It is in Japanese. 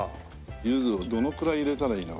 柚子をどのくらい入れたらいいの？